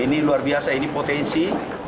ini luar biasa ini potensi